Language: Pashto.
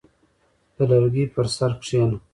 • د لرګي پر سر کښېنه.